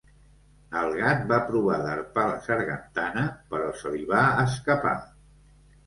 El gat va provar d'arpar la sargantana, però se li va escapar.